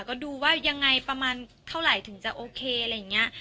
ก็ดูว่ายังไงประมาณเท่าไหร่ถึงจะโอเคอะไรอย่างนี้